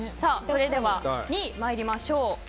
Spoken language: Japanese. それでは２位に参りましょう。